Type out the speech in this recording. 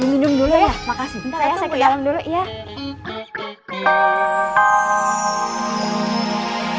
minum dulu ya